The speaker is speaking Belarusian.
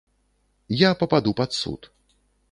Я пападу пад суд.